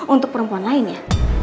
untuk perempuan lain ya